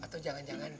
atau jangan jangan